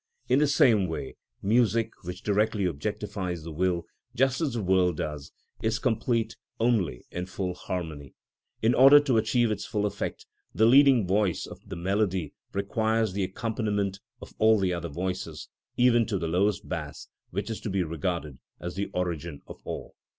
In the same way music, which directly objectifies the will, just as the world does, is complete only in full harmony. In order to achieve its full effect, the high leading voice of the melody requires the accompaniment of all the other voices, even to the lowest bass, which is to be regarded as the origin of all.